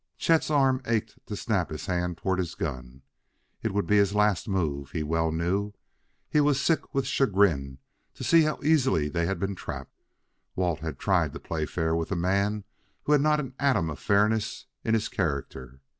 Chet's arm ached to snap his hand toward his gun. It would be his last move, he well knew. He was sick with chagrin to see how easily they had been trapped; Walt had tried to play fair with a man who had not an atom of fairness in his character.